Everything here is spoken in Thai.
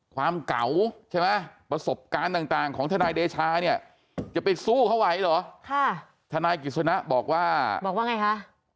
ความเก่าใช่ไหมประสบการณ์ต่างของทนายเดชาเนี่ยจะไปสู้เขาไหวเหรอทนายกิจสนะบอกว่าบอกว่าไงคะ